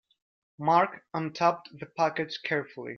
Mark untaped the package carefully.